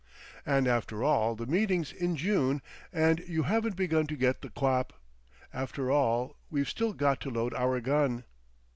"And after all, the meeting's in June, and you haven't begun to get the quap! After all, we've still got to load our gun."